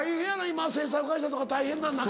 今制作会社とか大変な中。